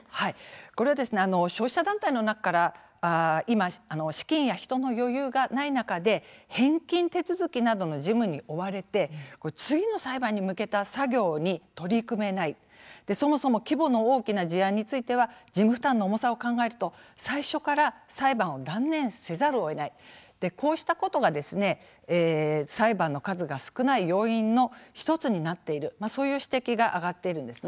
これは消費者団体の中から資金や人の余裕がない中で返金手続きなどの事務に追われて次の裁判に向けた作業に取り組めない、そもそも規模の大きな事案については事務負担のほうの大きさを考えると最初から裁判を断念せざるをえないこうしたことが裁判の数が少ない要因の１つになっているそういう指摘があがっているんです。